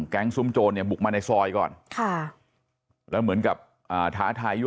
ซุ้มโจรเนี่ยบุกมาในซอยก่อนค่ะแล้วเหมือนกับท้าทายอยู่